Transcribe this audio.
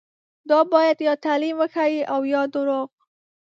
دا باید یا تعلیم وښيي او یا درواغ.